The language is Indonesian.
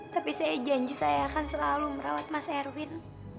tapi janji saya akan selalu merawat mas erwin